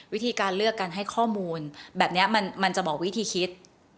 วิธีการเลือกการให้ข้อมูลแบบนี้มันจะบอกวิธีคิด